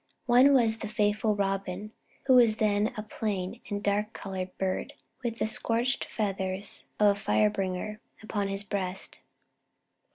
One was the faithful Robin, who was then a plain and dark colored bird with the scorched feathers of a fire bringer upon his breast.